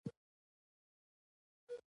د روماتویید ارترایټرایټس خودي دفاعي ناروغي ده.